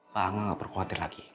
pak angga gak perlu khawatir lagi